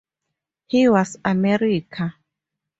He was America.